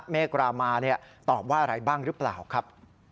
เมฆรามาตอบว่าอะไรบ้างหรือเปล่าครับ